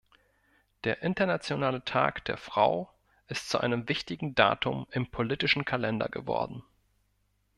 Der Internationale Tag der Frau ist zu einem wichtigen Datum im politischen Kalender geworden.